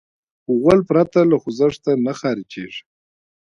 غول پرته له خوځښته نه خارجېږي.